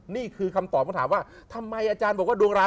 นี่คือคำตอบคุณไปถามว่า